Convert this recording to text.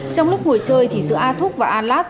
trong lúc ngồi chơi thì giữa a thúc và a lát